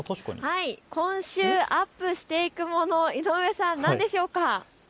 今週、アップしていくもの、井上さん何でしょうか。